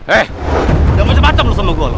eh jangan macam macam sama gue loh